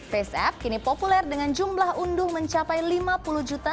faceapp kini populer dengan jumlah unduh mencapai lima puluh juta di seluruh dunia